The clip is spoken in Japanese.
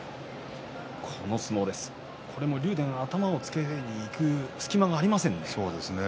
竜電は頭をつけにいく隙間がありませんでした。